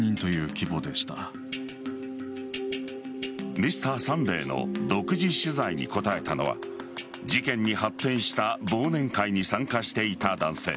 「Ｍｒ．サンデー」の独自取材に答えたのは事件に発展した忘年会に参加していた男性。